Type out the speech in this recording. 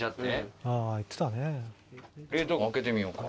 冷凍庫開けてみようか。